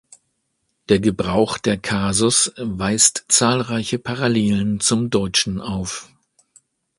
Der Gebrauch der Kasus weist zahlreiche Parallelen zum Deutschen auf.